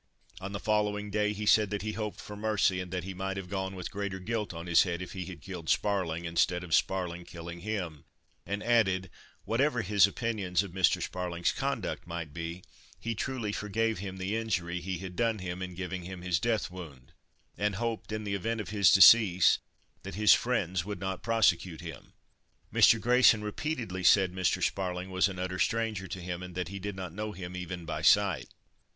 On the following day he said that "he hoped for mercy, and that he might have gone with greater guilt on his head, if he had killed Sparling, instead of Sparling killing him"; and added, "whatever his opinions of Mr. Sparling's conduct might be, he truly forgave him the injury he had done him, in giving him his death wound, and hoped, in the event of his decease, that his friends would not prosecute him." Mr. Grayson repeatedly said Mr. Sparling was an utter stranger to him, and that he did not know him even by sight.